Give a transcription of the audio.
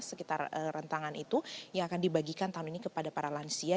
sekitar rentangan itu yang akan dibagikan tahun ini kepada para lansia